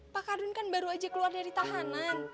pak karun kan baru aja keluar dari tahanan